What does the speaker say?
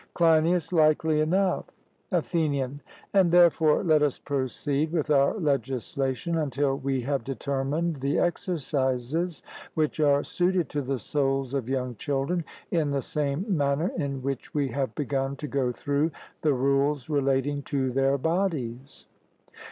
CLEINIAS: Likely enough. ATHENIAN: And therefore let us proceed with our legislation until we have determined the exercises which are suited to the souls of young children, in the same manner in which we have begun to go through the rules relating to their bodies.